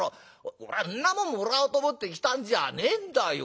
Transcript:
俺んなもんもらおうと思って来たんじゃねえんだよ。